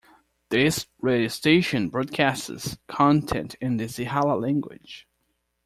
This radio station broadcasts content in the Sinhala language.